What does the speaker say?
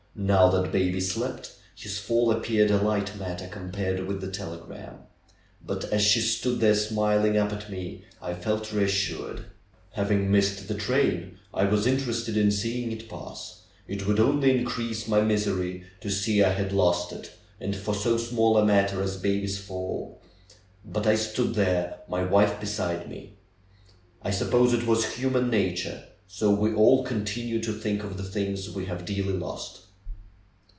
Now that baby slept, his fall appeared a light matter compared with the telegram. But as she stood there smiling up at me I felt reassured. Having missed the train I was interested in seeing it pass. It would only increase my misery to see I had lost it, and for so small a matter as baby's fall. But I stood there, my wife beside me. I suppose it was human nature ; so we all continue to think of the things we have dearly lost.